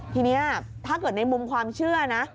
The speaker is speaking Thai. ทีนี้ถ้าเกิดในมุมความเชื่อนะ